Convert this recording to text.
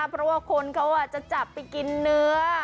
เพราะว่าคนเขาจะจับไปกินเนื้อ